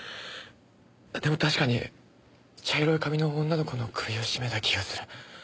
でも確かに茶色い髪の女の子の首を絞めた気がする。